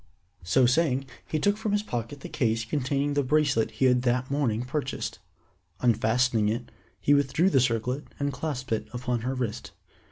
So saying, he took from his pocket the case containing the bracelet he had that morning purchased. Unfastening it, he withdrew the circlet and clasped it upon her wrist.